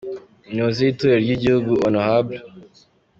Umuyobozi w’’ itorero ry’ igihugu Hon.